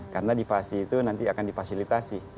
karena di fasi itu nanti akan difasilitasi